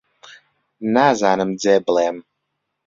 نازانم جێ بڵێم